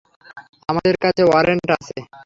আমাদের কাছে ওয়ারেন্ট আছে!